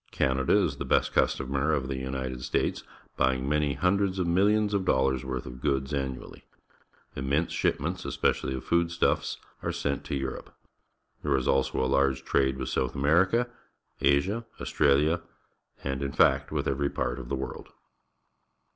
Canada is the best customer of the United States, buying many hundreds of millions of dollars' worth of goods annually. Immense shipments, especially of food stuffs, are sent to Europe. There is also a large trade with South THE UNITED STATES 137 .■Vmerica, Asia, Australia, and, in fact, with every part of the world.